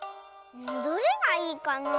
どれがいいかな？